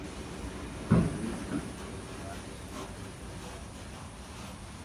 La organiza la Venerable Orden Tercera Franciscana.